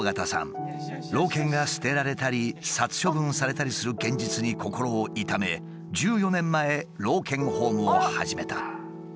老犬が捨てられたり殺処分されたりする現実に心を痛め１４年前老犬ホームを始めた。